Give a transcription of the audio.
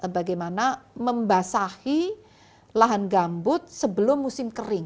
bagaimana membasahi lahan gambut sebelum musim kering